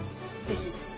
ぜひ。